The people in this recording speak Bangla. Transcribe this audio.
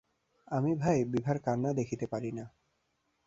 আমি ভাই, বিভার কান্না দেখিতে পারি না।